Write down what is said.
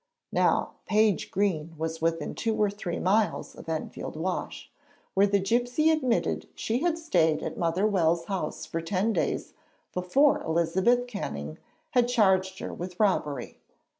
Now Page Green was within two or three miles of Enfield Wash, where the gipsy admitted she had stayed at Mother Wells' house for ten days before Elizabeth Canning had charged her with robbery.